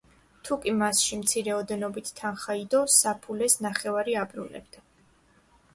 თუკი მასში მცირე ოდენობით თანხა იდო, საფულეს ნახევარი აბრუნებდა.